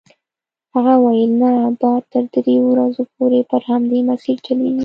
هغه وویل نه باد تر دریو ورځو پورې پر همدې مسیر چلیږي.